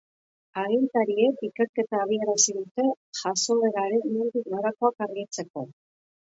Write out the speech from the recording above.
Agintariek ikerketa abiarazi dute jazoeraren nondik norakoak argitzeko.